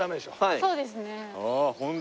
そうですね本殿。